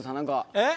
えっ？